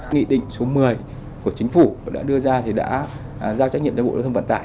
nghị định số một mươi của chính phủ đã đưa ra thì đã giao trách nhiệm cho bộ giao thông vận tải